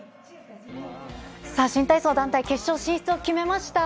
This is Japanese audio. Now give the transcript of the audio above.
新体操団体、決勝進出を決めました。